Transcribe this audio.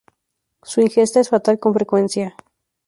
Su ingesta es fatal con frecuencia.